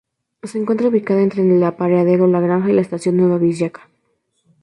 Se encuentra ubicada entre el apeadero La Granja y la Estación Nueva Vizcaya.